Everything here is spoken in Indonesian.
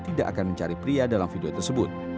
tidak akan mencari pria dalam video tersebut